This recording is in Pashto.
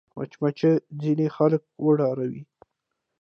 مچمچۍ ځینې خلک وډاروي